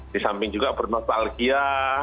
di samping juga bernostalgia